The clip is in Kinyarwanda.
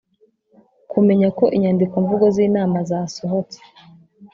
kumenya ko inyandiko mvugo z inama za sohotse